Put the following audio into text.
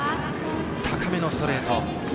高めのストレート。